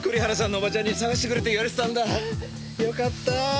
よかった。